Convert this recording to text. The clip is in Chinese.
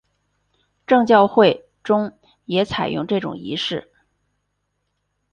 正教会中也采用这种仪式。